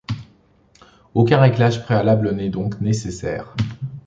Aucun réglage préalable n'est donc nécessaire.